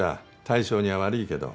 大将には悪いけど。